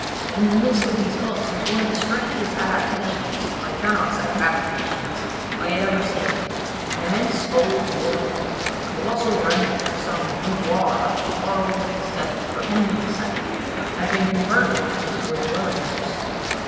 In the midst of these huts was one of the strangest adaptations—I cannot say habitations—I had ever seen. An immense old wardrobe, the colossal remnant of some boudoir of Charles VII, or Henry II, had been converted into a dwelling house.